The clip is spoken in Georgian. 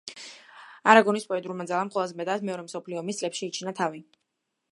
არაგონის პოეტურმა ძალამ ყველაზე მეტად მეორე მსოფლიო ომის წლებში იჩინა თავი.